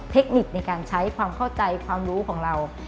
เทคนิคในการใช้ความเข้าใจความรู้ของเรา